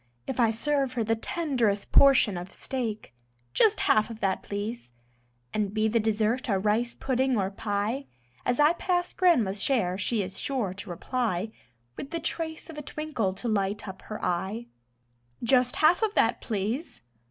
If I serve her the tenderest portion of steak: "Just half of that, please." And be the dessert a rice pudding or pie, As I pass Grandma's share she is sure to reply, With the trace of a twinkle to light up her eye: "Just half of that, please."